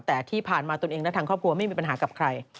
แต่ที่ผ่านมาตนเองและทางครอบครัวไม่มีปัญหากับใคร